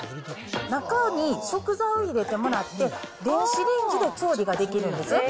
中に食材を入れてもらって、電子レンジで調理ができるんです。